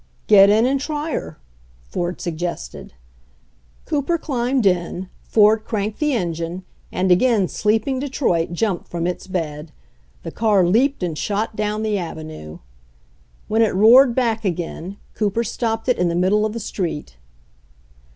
"Get in and try her," Ford suggested. Cooper climbed in, Ford cranked the engine, and again sleeping Detroit jumped from its bed. The car leaped and shot down the avenue. When it roared back again Cooper stopped it in the middle of the street.